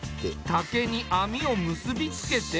竹に網を結び付けて。